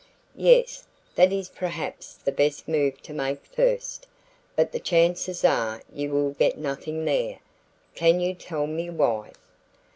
"Yes, that is perhaps the best move to make first. But the chances are you will get nothing there. Can you tell me why?"